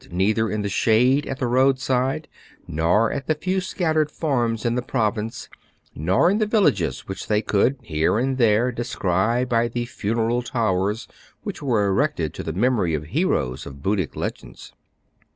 neither in the shade at the roadside, nor at the few scattered farms in the province, nor in the villages which they could here and there descry by the funereal towers which were erected to the memory of heroes of Buddhic legends.